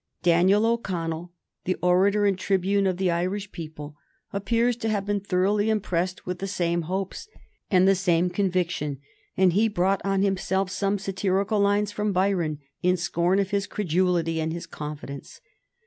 Daniel O'Connell, the orator and tribune of the Irish people, appears to have been thoroughly impressed with the same hopes and the same conviction, and he brought on himself some satirical lines from Byron in scorn of his credulity and his confidence.